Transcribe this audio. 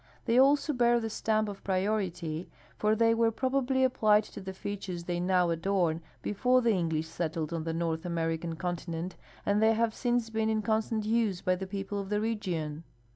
They also bear the stamp of priority, for they were probably ap })lied to the features they now adorn before the English settled on the North American continent, and the}' have since been in constant use by the people of the region.